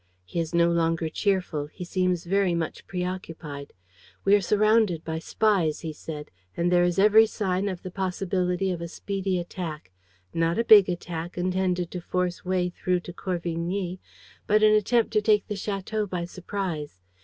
He is no longer cheerful. He seems very much preoccupied: "'We are surrounded by spies,' he said. 'And there is every sign of the possibility of a speedy attack. Not a big attack, intended to force a way through to Corvigny, but an attempt to take the château by surprise.